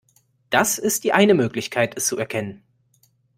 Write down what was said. Das ist die eine Möglichkeit es zu erkennen.